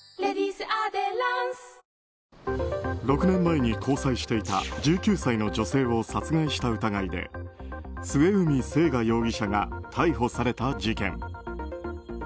６年前に交際していた１９歳の女性を殺害した疑いで末海征河容疑者が逮捕された事件。